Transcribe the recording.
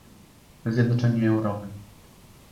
zjednoczenie Europy